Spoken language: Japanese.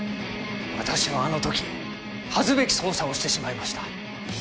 私はあの時恥ずべき捜査をしてしまいました。